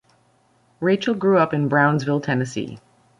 Rachell grew up in Brownsville, Tennessee.